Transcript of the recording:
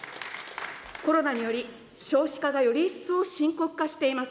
コロナにより、少子化がより一層深刻化しています。